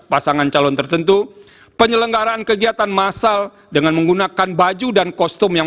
pasangan calon tertentu penyelenggaraan kegiatan massal dengan menggunakan baju dan kostum yang